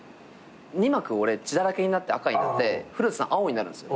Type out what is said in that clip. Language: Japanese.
２幕俺血だらけになって赤になって古田さん青になるんですよ。